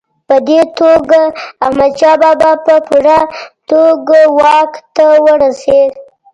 په دې توګه احمدشاه بابا په پوره توګه واک ته ورسېد.